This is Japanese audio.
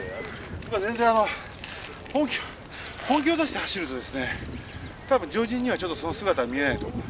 全然あの本気本気を出して走るとですね多分常人にはちょっとその姿は見えないと思う。